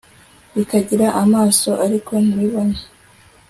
bikagira amaso, ariko ntibibone